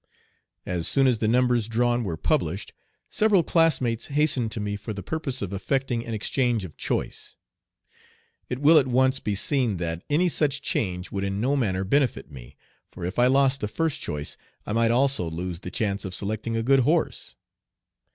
As soon as the numbers drawn were published, several classmates hastened to me for the purpose of effecting an exchange of choice. It will at once be seen that any such change would in no manner benefit me, for if I lost the first choice I might also lose the chance of selecting a good horse.